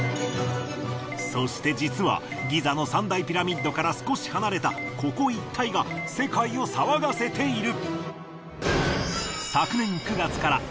そして実はギザの３大ピラミッドから少し離れたここ一帯が世界を騒がせている！